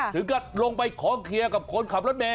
ถึงก็ลงไปขอเคลียร์กับคนขับรถเมย